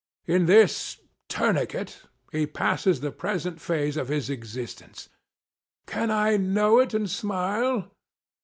In this tourniquet, he passes the present phase of his existence. Can I know it, and smile